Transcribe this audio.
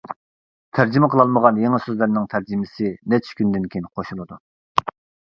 تەرجىمە قىلالمىغان يېڭى سۆزلەرنىڭ تەرجىمىسى نەچچە كۈندىن كېيىن قوشۇلىدۇ.